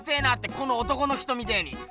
この男の人みてえに。